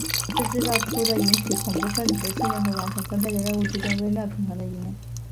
这制造出在赢取恐怖份子的信任和完成分配的任务之间微妙平衡的一幕。